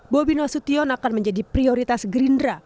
bobi nasution akan menjadi prioritas gerindra